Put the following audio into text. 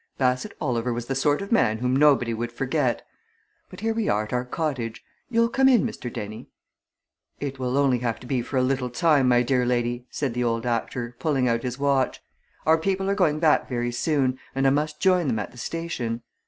"Bassett Oliver was the sort of man whom nobody would forget. But here we are at our cottage you'll come in, Mr. Dennie?" "It will only have to be for a little time, my dear lady," said the old actor, pulling out his watch. "Our people are going back very soon, and I must join them at the station."